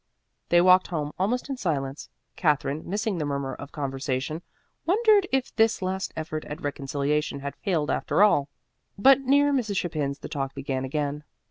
They walked home almost in silence. Katherine, missing the murmur of conversation, wondered if this last effort at reconciliation had failed after all; but near Mrs. Chapin's the talk began again.